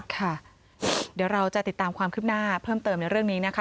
ค่ะเดี๋ยวเราจะติดตามความคืบหน้าเพิ่มเติมในเรื่องนี้นะคะ